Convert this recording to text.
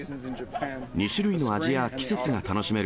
２種類の味や季節が楽しめる。